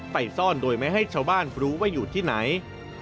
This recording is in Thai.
ไปซ่อนโดยไม่ให้ชาวบ้านรู้ว่าอยู่ที่ไหน